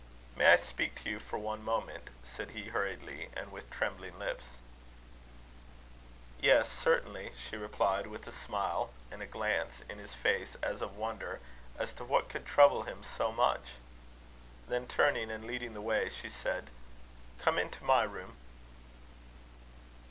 "May I speak to you for one moment?" said he, hurriedly, and with trembling lips. "Yes, certainly," she replied with a smile, and a glance in his face as of wonder as to what could trouble him so much. Then turning, and leading the way, she said: "Come into my room."